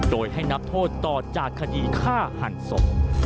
โดยให้นับโทษต่อจากคดีฆ่าหันศพ